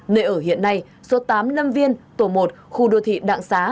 nơi ở hiện nay số tám mươi năm viên tổ một khu đồ thị đạng xá